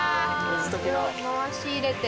回し入れて。